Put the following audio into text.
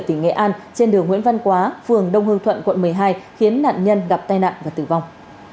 tỉnh nghệ an trên đường nguyễn văn quá phường đông hương thuận quận một mươi hai khiến nạn nhân gặp tai nạn và tử vong